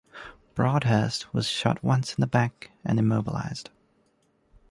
Broadhurst was shot once in the back and immobilized.